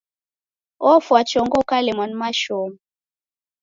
Ofwa chongo ukalemwa ni mashomo.